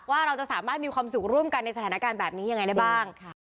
ว่าเราจะสามารถมีความสุขร่วมกันในสถานการณ์แบบนี้ยังไงได้บ้าง